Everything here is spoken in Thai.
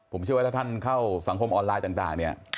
ผมเชื่อว่าถ้าท่านเข้าสังคมออนไลน์ต่างเนี่ย